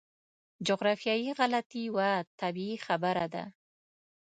جغرافیایي غلطي یوه طبیعي خبره ده.